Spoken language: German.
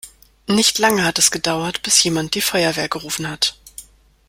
Nicht lange hat es gedauert, bis jemand die Feuerwehr gerufen hat.